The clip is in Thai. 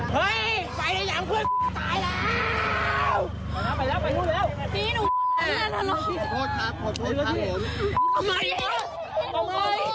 เฮ้ยไฟได้ย้ำเครื่องตายแล้ว